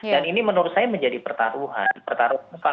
dan ini menurut saya menjadi pertaruhan